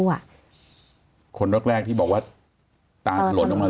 แล้วก็ฉลาดหนึ่งคนภูมิไม่ได้คนแรกที่บอกว่าตาทรณนนะคะ